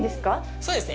そうですね。